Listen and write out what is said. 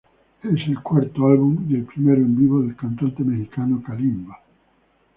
I es el cuarto álbum y el primero en vivo del cantante mexicano Kalimba.